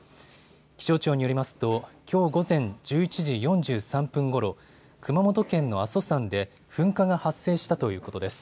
気象庁によりますときょう午前１１時４３分ごろ、熊本県の阿蘇山で噴火が発生したということです。